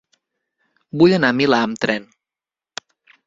Vull anar al Milà amb tren.